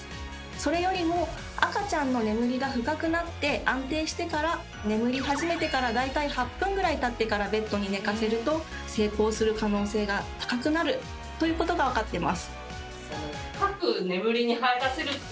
それよりも赤ちゃんの眠りが深くなって安定してから眠り始めてから大体８分ぐらいたってからベッドに寝かせると成功する可能性が高くなるということがわかってます。